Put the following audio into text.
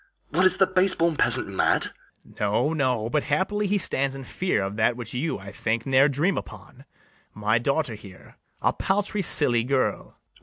what, is the base born peasant mad? BARABAS. No, no; but happily he stands in fear Of that which you, I think, ne'er dream upon, My daughter here, a paltry silly girl.